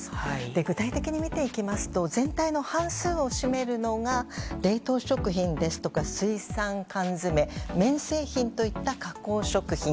具体的に見ていきますと全体の半数を占めるのが冷凍食品ですとか水産缶詰麺製品といった加工食品。